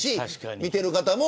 見ている方も。